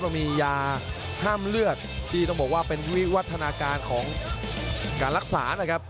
เรามียาห้ามเลือดที่ต้องบอกว่าเป็นวิวัฒนาการของการรักษานะครับ